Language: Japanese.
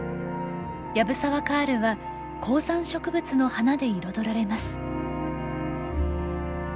藪沢カールは高山植物の花で彩られます。